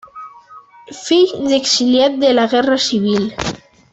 Fill d'exiliats de la Guerra Civil.